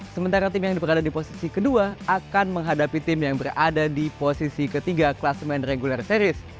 sementara tim yang berada di posisi kedua akan menghadapi tim yang berada di posisi ketiga kelas main regular series